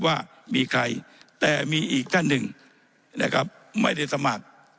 ว่ามีใครแต่มีอีกท่านหนึ่งนะครับไม่ได้สมัคร